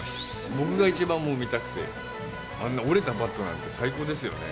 僕が一番もう見たくて、あんな折れたバットなんて最高ですよね。